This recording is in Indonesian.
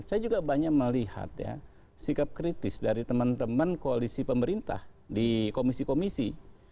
saya juga banyak melihat ya sikap kritis dari teman teman koalisi pemerintah di komisi komisi